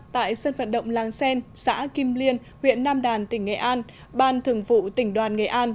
tại sân vận động làng sen xã kim liên huyện nam đàn tỉnh nghệ an ban thường vụ tỉnh đoàn nghệ an